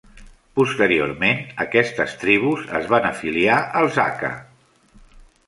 Posteriorment, aquestes tribus es van afiliar als aka.